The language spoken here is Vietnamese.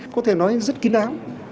có thể nói rất kinh áo